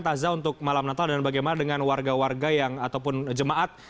taza untuk malam natal dan bagaimana dengan warga warga yang ataupun jemaat